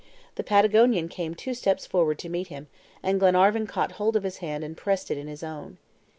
The Patagonian came two steps forward to meet him, and Glenarvan caught hold of his hand and pressed it in his own.